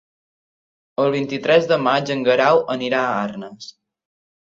El vint-i-tres de maig en Guerau anirà a Arnes.